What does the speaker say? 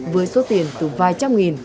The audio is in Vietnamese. với số tiền từ vài trăm nghìn